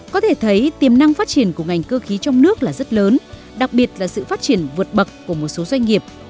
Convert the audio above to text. có thể thấy tiềm năng phát triển của ngành cơ khí trong nước là rất lớn đặc biệt là sự phát triển vượt bậc của một số doanh nghiệp